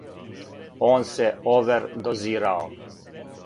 Он се овердозирао!